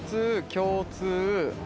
共通。